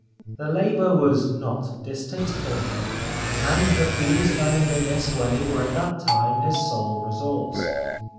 The labour was not distasteful to him, and the fees earned in this way were at that time his sole resource.